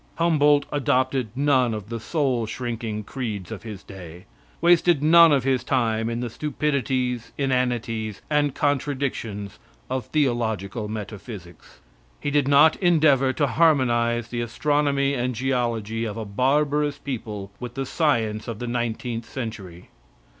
Humboldt adopted none of the soul shrinking creeds of his day; wasted none of his time in the stupidities, inanities and contradictions of theological metaphysics; he did not endeavor to harmonize the astronomy and geology of a barbarous people with the science of the nineteenth century.